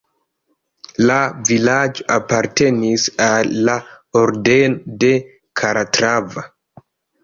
La vilaĝo apartenis al la Ordeno de Kalatrava.